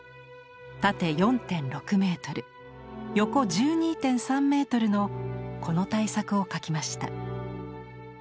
縦４．６メートル横１２．３メートルのこの大作を描きました。